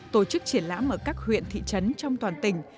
tổ chức triển lãm ở các huyện thị trấn trong toàn tỉnh